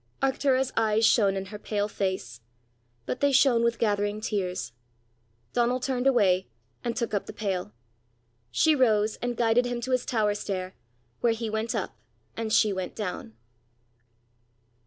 Arctura's eyes shone in her pale face; but they shone with gathering tears. Donal turned away, and took up the pail. She rose, and guided him to his tower stair, where he went up and she went down.